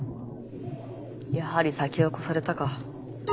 やはり先を越されたか。